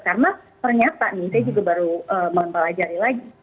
karena ternyata nih saya juga baru mempelajari lagi